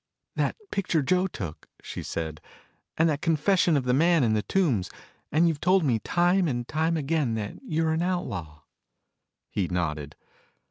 "That picture Joe took," she said. "And that confession of the man in Tombs. And you've told me time and time again that you're an outlaw." He nodded.